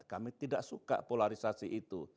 kami tidak suka polarisasi itu